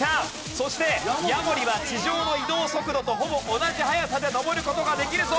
そしてヤモリは地上の移動速度とほぼ同じ速さで登る事ができるぞ。